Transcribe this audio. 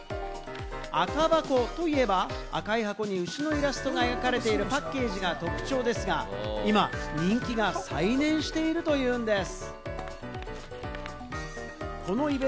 赤箱といえば、赤い箱に牛のイラストが描かれているパッケージが特徴ですが、今、人気が再燃しているというんです。